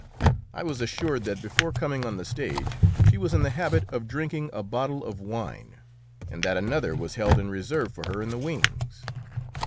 I was assured that before coming on the stage she was in the habit of drinking a bottle of wine, and that another was held in reserve for her in the wings.